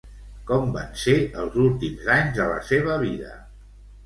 Com van ser els últims anys de la seva vida?